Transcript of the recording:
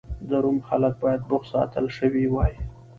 د روم خلک باید بوخت ساتل شوي وای